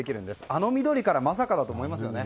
あの緑からまさかだと思いますよね。